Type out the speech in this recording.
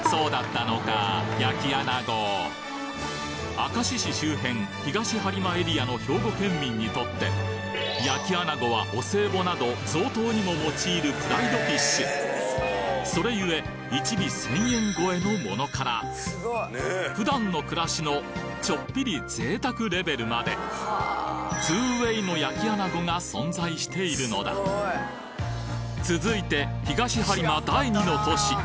明石市周辺東播磨エリアの兵庫県民にとって焼き穴子はお歳暮など贈答にも用いるプライドフィッシュそれゆえ１尾１０００円超えのものから普段の暮らしのちょっぴり贅沢レベルまでツーウェイの焼き穴子が存在しているのだ続いて東播磨第二の都市